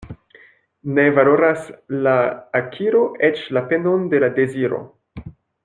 Ne valoras la akiro eĉ la penon de la deziro.